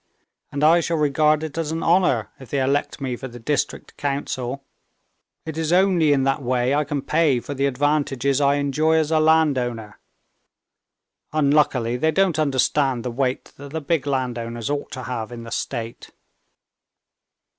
And I shall regard it as an honor if they elect me for the district council. It's only in that way I can pay for the advantages I enjoy as a landowner. Unluckily they don't understand the weight that the big landowners ought to have in the state."